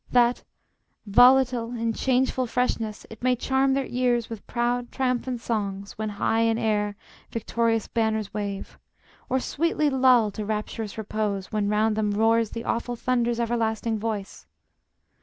That, volatile, In changeful freshness it may charm their ears With proud, triumphant songs, when high in air Victorious banners wave; or sweetly lull To rapturous repose, when round them roars The awful thunder's everlasting voice!